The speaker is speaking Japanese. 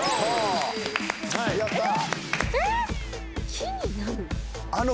木になる！？